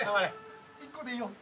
１個でいいよ